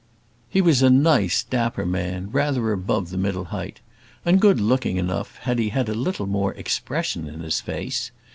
He was a nice, dapper man, rather above the middle height, and good looking enough had he had a little more expression in his face.